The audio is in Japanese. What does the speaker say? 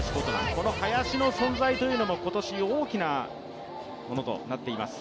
この林の存在というのも今年、大きなものとなっています。